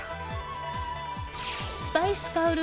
スパイス香る